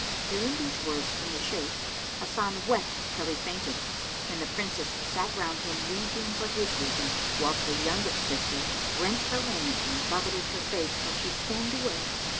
Hearing these words from the Shaykh, Hasan wept till he fainted, and the Princesses sat round him, weeping for his weeping, whilst the youngest sister rent her raiment and buffeted her face, till she swooned away.